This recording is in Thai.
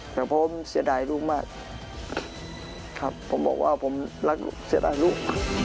แต่ผมเสียดายลูกมากครับผมบอกว่าผมรักเสียดายลูก